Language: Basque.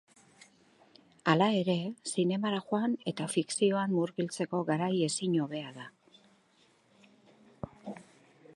Hala ere, zinemara joan eta fikzioan murgiltzeko garai ezin hobea da.